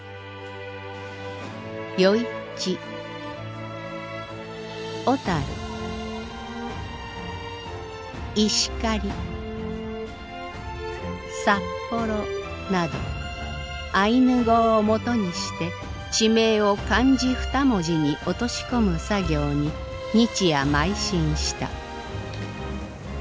余市小樽石狩札幌などアイヌ語をもとにして地名を漢字二文字に落とし込む作業に日夜まい進した。